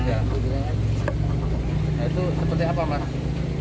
nah itu seperti apa mas